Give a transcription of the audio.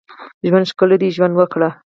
ژوند ښکلی دی ، ژوند وکړئ